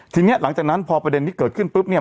ทีนี้หลังจากนั้นพอประเด็นที่เกิดขึ้นปุ๊บเนี่ย